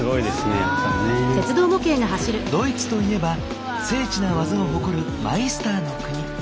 ドイツといえば精緻な技を誇るマイスターの国。